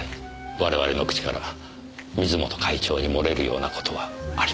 我々の口から水元会長に漏れるような事はありませんから。